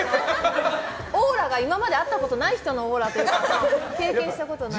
オーラが今まで会ったことのないオーラというか経験したことない。